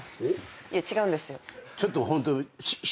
いや違うんですよ。